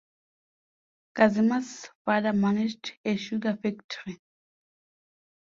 Kazimir's father managed a sugar factory.